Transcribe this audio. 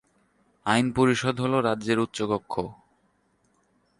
আইন পরিষদ হল রাজ্যের উচ্চকক্ষ।